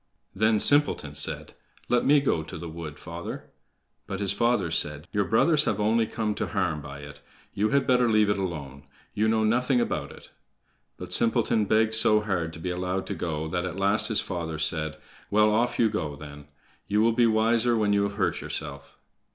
Then Simpleton said: "Let me go to cut the wood, father." But his father said: "Your brothers have only come to harm by it; you had better leave it alone. You know nothing about it." But Simpleton begged so hard to be allowed to go that at last his father said: "Well, off you go then. You will be wiser when you have hurt yourself."